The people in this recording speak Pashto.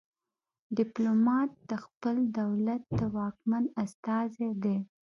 ډیپلومات د خپل دولت د واکمن استازی دی